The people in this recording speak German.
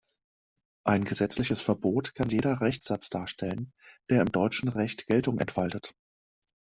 Ein gesetzliches Verbot kann jeder Rechtssatz darstellen, der im deutschen Recht Geltung entfaltet.